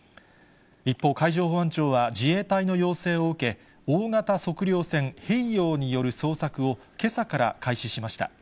一方、海上保安庁は自衛隊の要請を受け、大型測量船平洋による捜索をけさから開始しました。